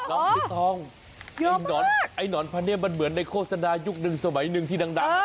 ลำมีทองเยอะมากไอ้หนอนพะเนี่ยมันเหมือนในโฆษณายุคหนึ่งสมัยหนึ่งที่ดังดัง